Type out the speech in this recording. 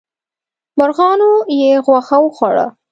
مرغانو یې غوښه وخوړه.